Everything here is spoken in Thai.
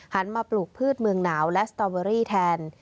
หันมาปลูกพืชเมืองหนาวและสตอเบอรี่แทน